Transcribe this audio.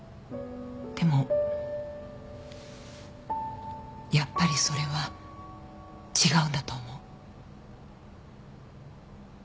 でもやっぱりそれは違うんだと思う。